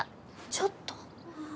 ちょっと。